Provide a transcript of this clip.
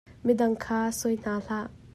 Midang kha sawi hna hlah.